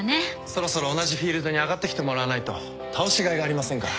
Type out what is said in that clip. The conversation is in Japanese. そろそろ同じフィールドに上がってきてもらわないと倒しがいがありませんから。